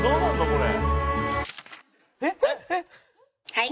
これ。